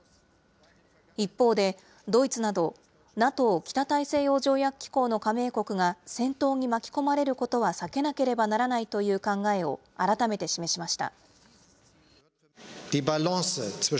一方で、ドイツなどＮＡＴＯ・北大西洋条約機構の加盟国が戦闘に巻き込まれることは避けなければならないという考えを改めて示しました。